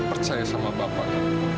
percaya sama bapak